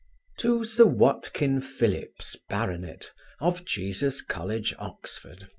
To Sir WATKIN PHILLIPS, Bart. of Jesus college, Oxon.